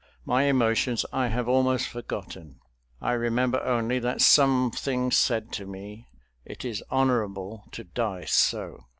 My emotions I have almost forgotten. I remember only that something said to me, "It is honorable to die so."